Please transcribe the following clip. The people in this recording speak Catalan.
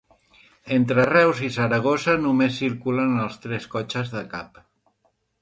Entre Reus i Saragossa només circulen els tres cotxes de cap.